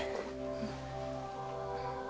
うん。